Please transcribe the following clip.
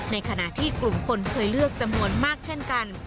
ในขณะที่กลุ่มคนเคยเลือกจำนวนมากเช่นกัน